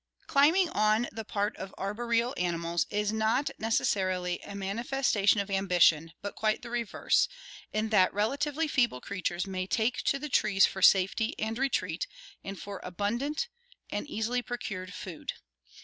— Climbing on the part of arboreal animals is not necessarily a manifestation of ambition, but quite the reverse, in that relatively feeble creatures may take to the trees for safety and retreat and for abundant and easily procured food.